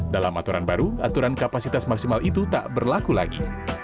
dalam aturan baru aturan kapasitas maksimal itu tak berlaku lagi